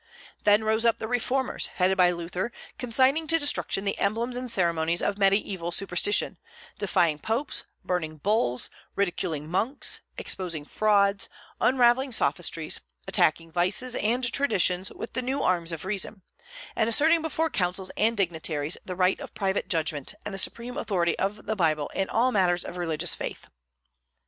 Then rose up the reformers, headed by Luther, consigning to destruction the emblems and ceremonies of mediaeval superstition, defying popes, burning bulls, ridiculing monks, exposing frauds, unravelling sophistries, attacking vices and traditions with the new arms of reason, and asserting before councils and dignitaries the right of private judgment and the supreme authority of the Bible in all matters of religious faith.